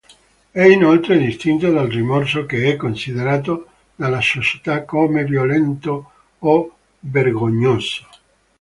È inoltre distinto dal rimorso che è considerato dalla società come violento o vergognoso.